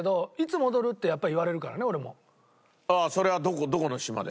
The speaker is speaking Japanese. それはどこの島で？